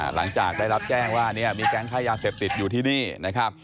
หลังจากได้รับแจ้งว่าเนี่ยมีแก๊งค้ายาเสพติดอยู่ที่นี่นะครับ